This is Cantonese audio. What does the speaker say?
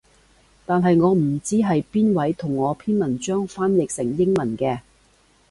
但係我唔知係邊位同我篇文章翻譯成英語嘅